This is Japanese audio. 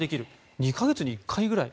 ２か月に１回くらい。